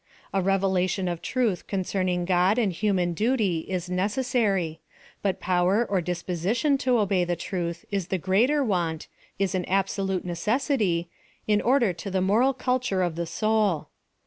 A revelation of truth concerning God and human duty ^s necessary; but power or disposition to obey the truth is the greater want — is an absolute necessity — in order to the moral culture of the soul.